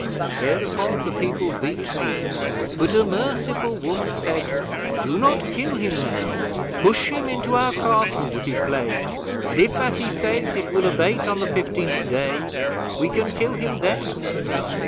Thereupon the people beat me, but a merciful woman said: "Do not kill him now. Push him into our Castle with his Plague, and if, as he says, it will abate on the fifteenth day, we can kill him then."